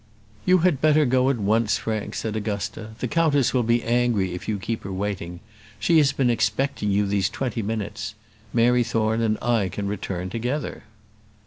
"You had better go at once, Frank," said Augusta; "the countess will be angry if you keep her waiting. She has been expecting you these twenty minutes. Mary Thorne and I can return together."